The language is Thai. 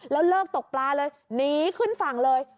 แล้วเลิกตกปลาเลยหนีขึ้นฝั่งเลย